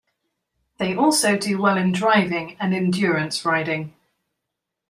They also do well in driving and endurance riding.